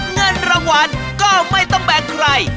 เงินรางวัลก็ไม่ต้องแบ่งใคร